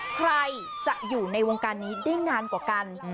ใครจะอยู่ในวงการนี้ได้นานกว่ากัน